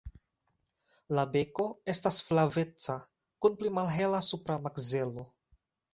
La beko estas flaveca kun pli malhela supra makzelo.